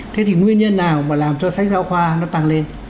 thế thì nguyên nhân nào mà làm cho sách giáo khoa nó tăng lên